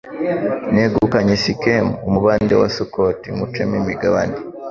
Negukanye Sikemu umubande wa Sukoti nywucemo imigabane